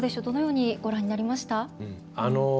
どのようにご覧になりました？